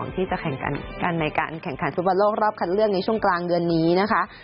ที่จะแข่งขันกันในการแข่งขันฟุตบอลโลกรอบคัดเลือกในช่วงกลางเดือนนี้นะคะ